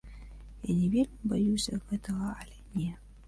Я вельмі баяўся гэтага, але не.